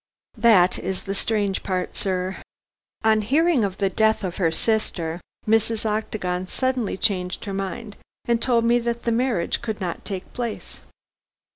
"That is the strange part, sir. On hearing of the death of her sister, Mrs. Octagon suddenly changed her mind, and told me that the marriage could not take place."